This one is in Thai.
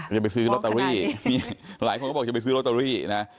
จะไปซื้อลอตเตอรี่หลายคนก็บอกจะไปซื้อลอตเตอรี่นะ